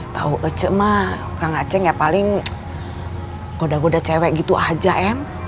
tau ece mah kak ngaceng ya paling goda goda cewek gitu aja em